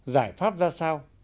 giải pháp ra sao